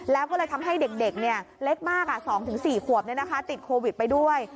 แล้วก็เลยทำให้เด็กเล็กมาก๒๔ขวบติดโควิดไปด้วย